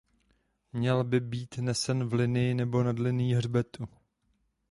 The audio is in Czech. Měl by být nesen v linii nebo nad linií hřbetu.